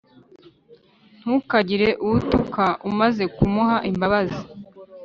ntukagire uwo utuka, umaze kumuha imbabazi